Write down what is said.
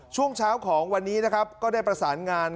ช่วงเช้าของวันนี้นะครับก็ได้ประสานงาน